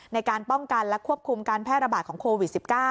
ในการป้องกันและควบคุมการแพร่ระบาดของโควิด๑๙